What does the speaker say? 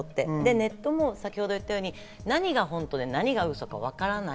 ネットも先ほど言ったように、何が本当で何が嘘かわからない。